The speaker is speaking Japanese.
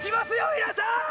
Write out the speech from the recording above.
皆さん。